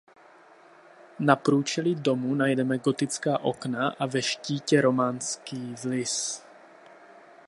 Na průčelí domu najdeme gotická okna a ve štítě románský vlys.